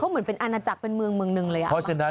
เหมือนเป็นอาณาจักรเป็นเมืองหนึ่งเลยอ่ะ